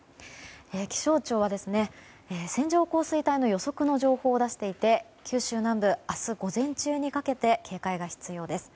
気象庁は、線状降水帯の予測の情報を出していて九州南部、明日午前中にかけて警戒が必要です。